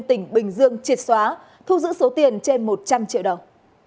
tỉnh bình dương triệt xóa thu giữ số tiền trên một trăm linh triệu đồng